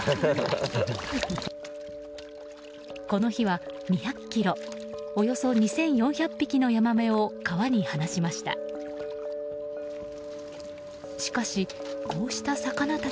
この日は２００ｋｇおよそ２４００匹のヤマメを川に放しました。